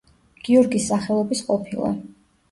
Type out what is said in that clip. გიორგის სახელობის ყოფილა.